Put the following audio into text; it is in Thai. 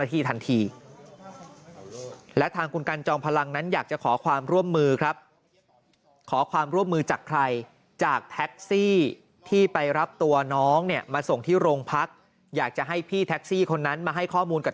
แท็กซี่ที่ไปรับตัวน้องเนี่ยมาส่งที่โรงพักอยากจะให้พี่แท็กซี่คนนั้นมาให้ข้อมูลกับ